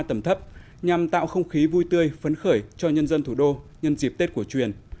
tầm thấp nhằm tạo không khí vui tươi phấn khởi cho nhân dân thủ đô nhân dịp tết cổ truyền